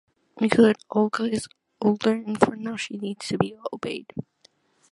Good! Olga is older and for now she needs to be obeyed.